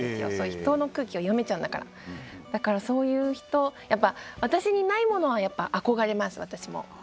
人の空気を読めちゃうんだからだから、そういう人私にないものは憧れます私も。